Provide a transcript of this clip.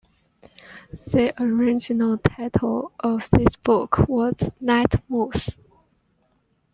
The original title of this book was "Night Moves".